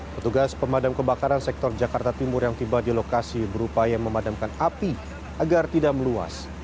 petugas pemadam kebakaran sektor jakarta timur yang tiba di lokasi berupaya memadamkan api agar tidak meluas